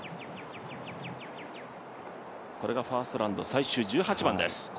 これがファーストラウンド最終１８番です。